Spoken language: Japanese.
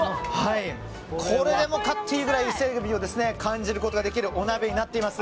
これでもかというぐらい伊勢海老を感じることができるお鍋になっています。